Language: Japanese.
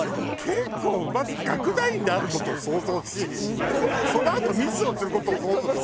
結構まず楽団員である事を想像しそのあとミスをする事を想像。